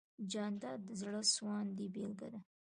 جانداد د زړه سواندۍ بېلګه ده.